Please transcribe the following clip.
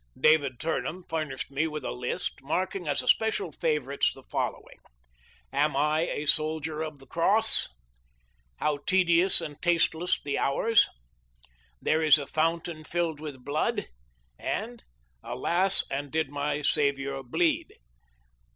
David Turnham furnished me with a list, marking as especial favor ites the following :" Am I a Soldier of the Cross ";" How Tedious and Tasteless the Hours ";" There is a Fountain Filled with Blood," and, " Alas, and did my Saviour Bleed?"